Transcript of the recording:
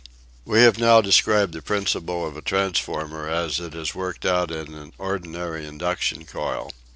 We have now described the principle of a transformer as it is worked out in an ordinary induction coil.